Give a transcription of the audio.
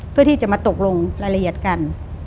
เพื่อที่จะมาตกลงรายละเอียดกัน